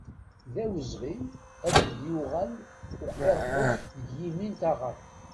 D awezɣi ad d-yuɣal uqiṛquc deg yimi n taɣaḍt.